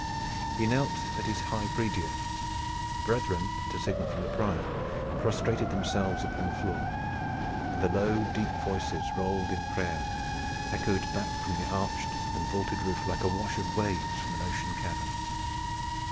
He knelt at his high prie dieu; the brethren, at a signal from the prior, prostrated themselves upon the floor, and the low deep voices rolled in prayer, echoed back from the arched and vaulted roof like the wash of waves from an ocean cavern.